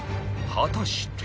果たして！？